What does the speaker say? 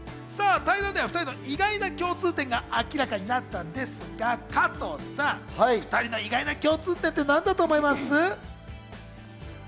対談では２人の意外な共通点が明らかになったんですが、加藤さん、２人の意外な共通点って何だと思います？